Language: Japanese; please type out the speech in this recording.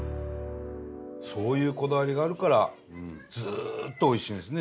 そういうこだわりがあるからずっとおいしいんですね